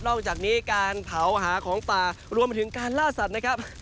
อกจากนี้การเผาหาของป่ารวมไปถึงการล่าสัตว์นะครับ